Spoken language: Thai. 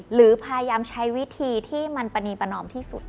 หรือพยายามใช้วิธีที่มันปณีประนอมที่สุด